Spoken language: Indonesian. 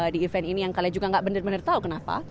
di event ini yang kalian juga gak bener bener tau kenapa